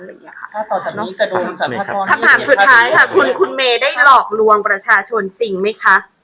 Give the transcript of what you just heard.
คำถามสุดท้ายค่ะคุณเมย์ได้หลอกลวงประชาชนจริงไหมคะ